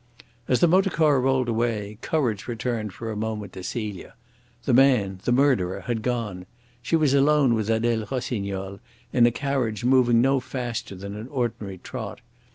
As the motor car rolled away, courage returned for a moment to Celia. The man the murderer had gone. She was alone with Adele Rossignol in a carriage moving no faster than an ordinary trot.